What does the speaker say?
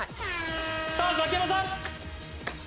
さぁザキヤマさん！